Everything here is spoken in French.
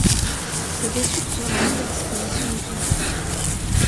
Cette étude serait mise à disposition de tous.